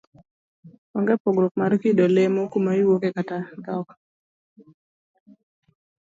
Onge' pogruok mar kido, lemo, kuma iwuoke kata dhok.